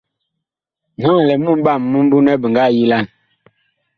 Naŋ a lɛ mumɓaa mi mimbu nɛ bi ngaa yilan.